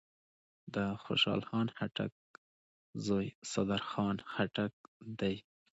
دخوشحال خان خټک زوی صدرخان خټک دﺉ.